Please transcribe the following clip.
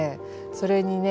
それにね